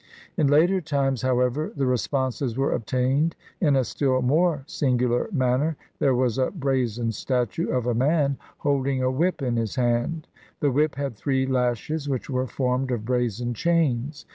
In later times, however, the responses were ob tained in a still more singular manner. There was a brazen statue of a man, holding a whip in his hand. The whip had three lashes, which were formed of brazen chains.